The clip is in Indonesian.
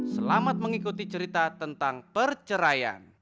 selamat mengikuti cerita tentang perceraian